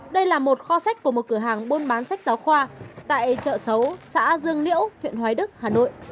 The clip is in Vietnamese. đây là một kho sách của một cửa hàng buôn bán sách giáo khoa tại chợ sấu xã dương liễu huyện hoài đức hà nội